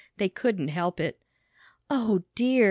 They couldn't help it. "Oh, dear!"